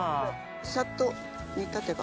さっと煮立てば。